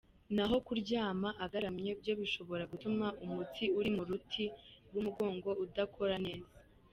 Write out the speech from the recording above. Naho kuryama agaramye byo bishobora gutuma umutsi uri mu ruti rw’umugongo udakora neza.